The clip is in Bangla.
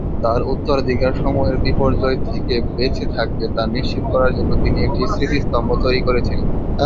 তাঁর উত্তরাধিকার সময়ের বিপর্যয় থেকে বেঁচে থাকবে তা নিশ্চিত করার জন্য তিনি একটি স্মৃতিস্তম্ভ তৈরি করেছিলেন।